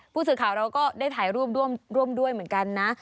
ผู้สื่อข่าวเราก็ได้ถ่ายรูปร่วมด้วยเหมือนกันนะ